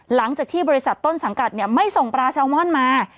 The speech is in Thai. หลังจากที่บริษัทต้นสังกัดไม่ส่งปลาแซลมอนมา